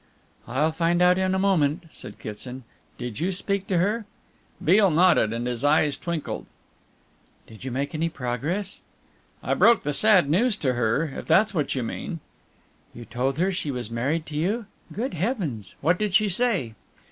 "I'll find out in a moment," said Kitson. "Did you speak to her?" Beale nodded, and his eyes twinkled. "Did you make any progress?" "I broke the sad news to her, if that's what you mean." "You told her she was married to you? Good heavens! What did she say?"